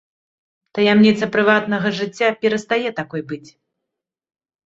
Таямніца прыватнага жыцця перастае такой быць.